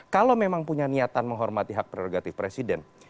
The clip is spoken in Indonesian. kalau memang punya niatan menghormati hak prerogatif presiden